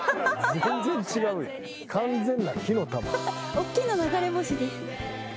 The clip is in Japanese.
おっきな流れ星です。